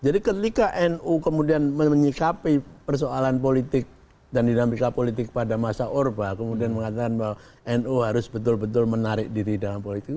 karena nu kemudian menyikapi persoalan politik dan dinamika politik pada masa orba kemudian mengatakan bahwa nu harus betul betul menarik diri dalam politik